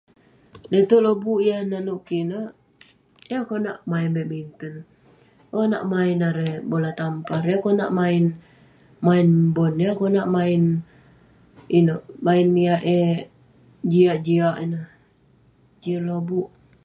Lete'erk lobuk yah naneuk kik ineh yah konak main badminton, konak main erei bola tampar, yah konak main, main bon, yah konak main ineuk, main yah eh jiak-jiak ineh. Jin lobuk.